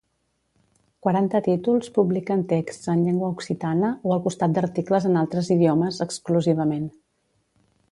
Quaranta títols publiquen texts en llengua occitana, o al costat d'articles en altres idiomes, exclusivament.